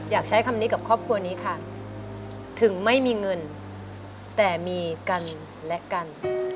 อยากใช้คำนี้กับครอบครัวนี้ค่ะถึงไม่มีเงินแต่มีกันและกัน